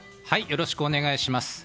よろしくお願いします。